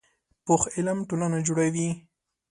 پوخ علم ټولنه جوړوي